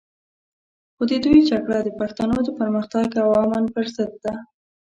خو د دوی جګړه د پښتنو د پرمختګ او امن پر ضد ده.